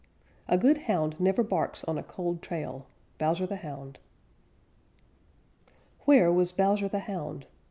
A good Hound never barks on a cold trail. Bowser the Hound. Where was Bowser the Hound?